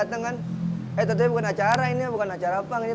setelah bertemu dengan halim ambia tiga tahun silam